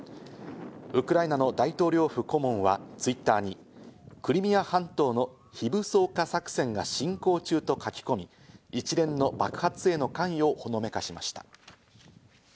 ウクライナの大統領府顧問はＴｗｉｔｔｅｒに、クリミア半島の非武装化作戦が進行中と書き込み、一連の爆発への関与をほのめかしました。